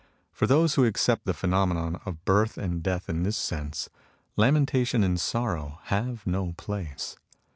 For those who accept the pheno menon of birth and death in this sense, lamenta tion and sorrow have no place.